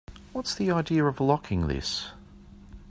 What's the idea of locking this?